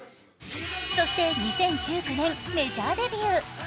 そして２０１９年、メジャーデビュー。